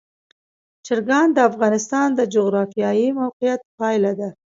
چرګان د افغانستان د جغرافیایي موقیعت پایله ده.